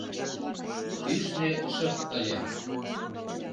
Кӱшнӧ шып ыле.